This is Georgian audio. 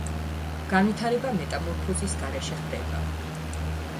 განვითარება მეტამორფოზის გარეშე ხდება.